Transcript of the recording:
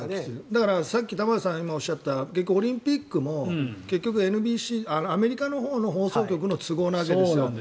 だから、さっき玉川さんがおっしゃったオリンピックも結局アメリカのほうの放送局の都合なんですよ。